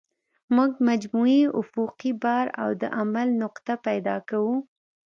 موږ مجموعي افقي بار او د عمل نقطه پیدا کوو